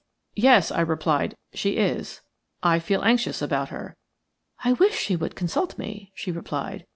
"Yes," I replied, "she is. I feel anxious about her." "I wish she would consult me," she replied.